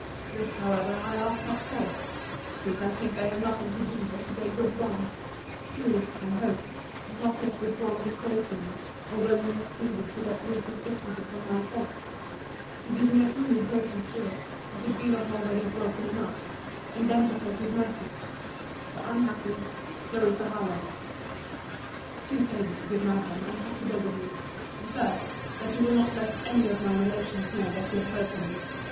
This, however, I ask not for, since I think I have nothing to do but to beg of God (who, I hope, has not yet withdrawn his grace from me, although he has pleaded to let loose his justice upon my faults) to give me a truly broken spirit, if it be not already broken enough, and then to take to his mercy The unhappy CLARISSA HARLOWE. Two favours, good Madam, I have to beg of you.—The first,—that you will not let any of my relations know that you have heard from me.